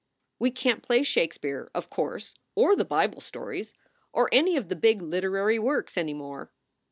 We can t play Shakespeare, of course, or the Bible stories, or any of the big literary works any more.